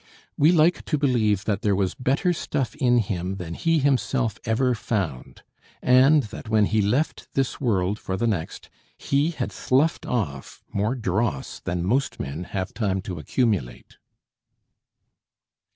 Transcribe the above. We like to believe that there was better stuff in him than he himself ever found; and that when he left this world for the next, he had sloughed off more dross than most men have time to accumulate.